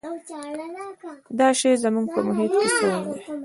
دا شی زموږ په محیط کې سوړ دی.